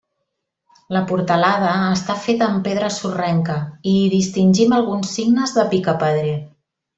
La portalada està feta amb pedra sorrenca i hi distingim alguns signes de picapedrer.